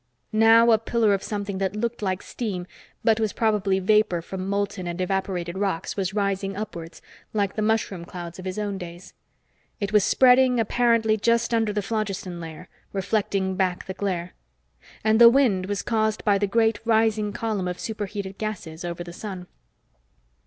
Now a pillar of something that looked like steam but was probably vapor from molten and evaporated rocks was rising upwards, like the mushroom clouds of his own days. It was spreading, apparently just under the phlogiston layer, reflecting back the glare. And the wind was caused by the great rising column of superheated gases over the sun.